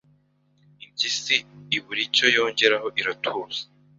Impyisi ibura icyo yongeraho iratuza